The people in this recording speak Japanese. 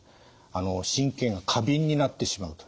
神経が過敏になってしまうと。